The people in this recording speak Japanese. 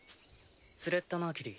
・スレッタ・マーキュリー。